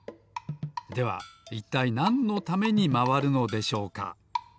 ではいったいなんのためにまわるのでしょうか？